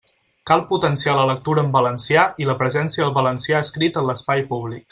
Cal potenciar la lectura en valencià i la presència del valencià escrit en l'espai públic.